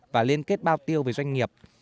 và liên kết bao tiêu với doanh nghiệp